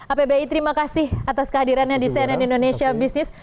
apbi terima kasih atas kehadirannya di cnn indonesia business